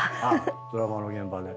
ドラマの現場で。